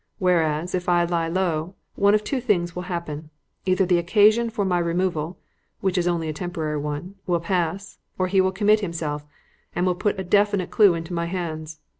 Whereas, if I lie low, one of two things will happen; either the occasion for my removal (which is only a temporary one) will pass, or he will commit himself will put a definite clue into my hands.